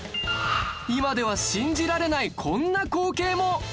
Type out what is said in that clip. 今では信じられないこんな光景も！